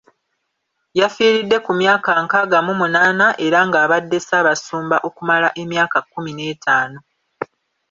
Yafiiridde ku myaka nkaaga mu munaana era ng’abadde Ssaabasumba okumala emyaka kkumi netaano.